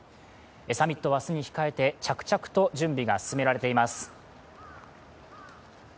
サミットを明日に控えて着々と準備が進められています。